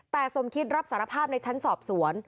แต่สมคิดรับสารภาพในชั้นสอบสวน